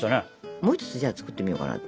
もう一つじゃあ作ってみようかなって。